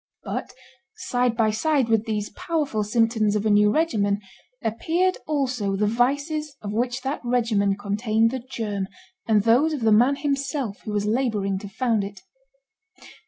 But side by side with these powerful symptoms of a new regimen appeared also the vices of which that regimen contained the germ, and those of the man himself who was laboring to found it.